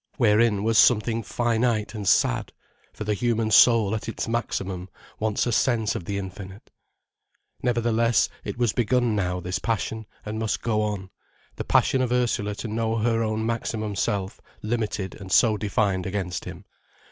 Wherein was something finite and sad, for the human soul at its maximum wants a sense of the infinite. Nevertheless, it was begun now, this passion, and must go on, the passion of Ursula to know her own maximum self, limited and so defined against him.